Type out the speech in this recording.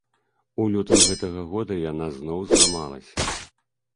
У лютым гэтага года яна зноў зламалася.